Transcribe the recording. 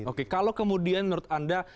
oke kalau kemudian menurut anda